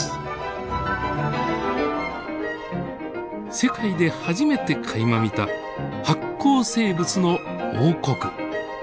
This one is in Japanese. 世界で初めてかいま見た発光生物の王国。